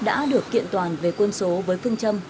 đã được kiện toàn về quân số với phương châm